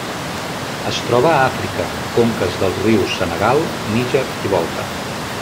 Es troba a Àfrica: conques dels rius Senegal, Níger i Volta.